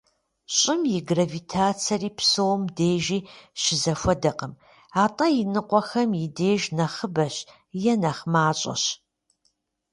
Щӏым и гравитацэри псом дежи щызэхуэдэкъым, атӏэ иныкъуэхэм и деж нэхъыбэщ е нэхъ мащӏэщ.